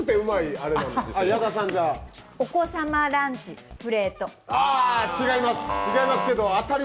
お子様ランチプレート。